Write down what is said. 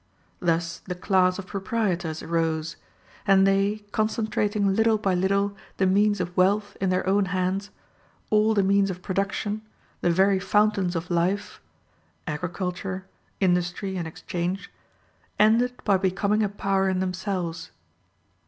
Thus the class of proprietors rose. And they, concentrating little by little the means of wealth in their own hands, all the means of production, the very fountains of life agriculture, industry, and exchange ended by becoming a power in themselves.